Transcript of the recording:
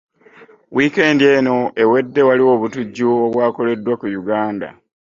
Wikendi eno ewedde waliwo obutujju obwakoledwa ku Uganda.